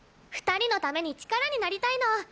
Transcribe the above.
２人のために力になりたいの！